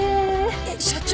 えっ社長！？